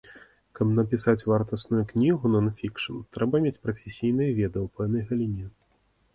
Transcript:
Каб напісаць вартасную кнігу нон-фікшн, трэба мець прафесійныя веды ў пэўнай галіне.